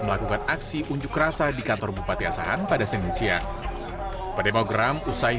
melakukan aksi unjuk rasa di kantor bupati asahan pada senin siang pendemogram usai